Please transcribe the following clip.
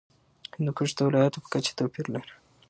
هندوکش د ولایاتو په کچه توپیر لري.